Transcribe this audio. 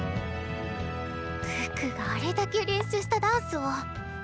可可があれだけ練習したダンスを。